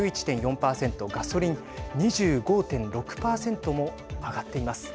ガソリン２５．６％も上がっています。